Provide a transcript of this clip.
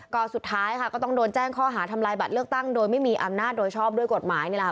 ก็สุดท้ายค่ะก็ต้องโดนแจ้งข้อหาทำลายบัตรเลือกตั้งโดยไม่มีอำนาจโดยชอบด้วยกฎหมายนี่แหละค่ะ